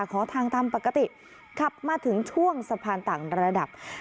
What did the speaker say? ขอทางตามปกติขับมาถึงช่วงสะพานต่างระดับ